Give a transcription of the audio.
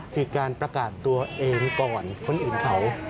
คือการประกาศตัวเองก่อนคนอื่นเขา